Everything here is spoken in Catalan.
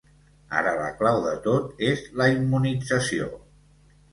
Ara la clau de tot és la immunització.